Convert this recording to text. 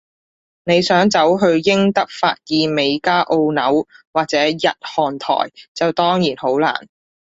你想走去英德法意美加澳紐，或者日韓台，就當然好難